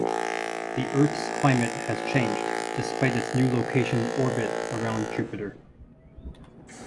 The Earth's climate has changed, despite its new location in orbit around Jupiter.